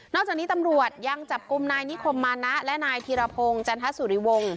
จากนี้ตำรวจยังจับกลุ่มนายนิคมมานะและนายธีรพงศ์จันทสุริวงศ์